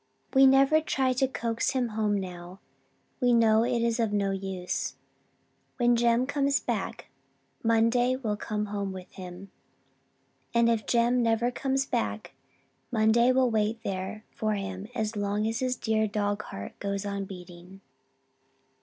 We never try to coax him home now: we know it is of no use. When Jem comes back, Monday will come home with him; and if Jem never comes back Monday will wait there for him as long as his dear dog heart goes on beating.